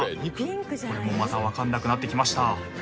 これもまたわからなくなってきました。